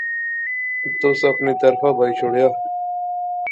تُس اپنی طرفاں بائی شوڑیا